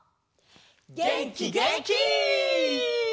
げんきげんき！